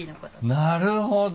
なるほど。